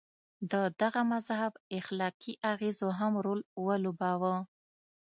د دغه مذهب اخلاقي اغېزو مهم رول ولوباوه.